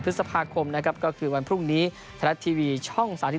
พฤษภาคมนะครับก็คือวันพรุ่งนี้ไทยรัฐทีวีช่อง๓๒